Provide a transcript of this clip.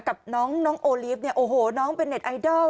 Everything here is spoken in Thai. กับน้องโอลีฟเนี่ยโอ้โหน้องเป็นเน็ตไอดอล